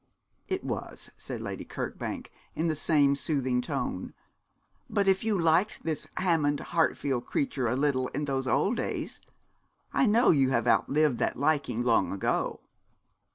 'It was,' said Lady Kirkbank, in the same soothing tone; 'but if you liked this Hammond Hartfield creature a little in those old days, I know you have outlived that liking long ago.'